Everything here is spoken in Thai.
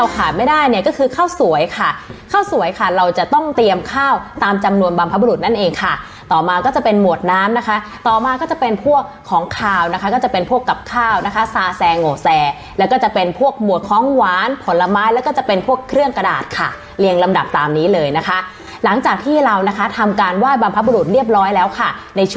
ขายไม่ได้เนี่ยก็คือข้าวสวยค่ะข้าวสวยค่ะเราจะต้องเตรียมข้าวตามจำนวนบรรพบุรุษนั่นเองค่ะต่อมาก็จะเป็นหมวดน้ำนะคะต่อมาก็จะเป็นพวกของขาวนะคะก็จะเป็นพวกกับข้าวนะคะซาแซงโง่แซแล้วก็จะเป็นพวกหมวดของหวานผลไม้แล้วก็จะเป็นพวกเครื่องกระดาษค่ะเรียงลำดับตามนี้เลยนะคะหลังจากที่เรานะคะทำการไห้บรรพบุรุษเรียบร้อยแล้วค่ะในช่วง